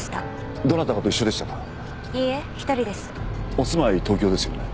お住まい東京ですよね？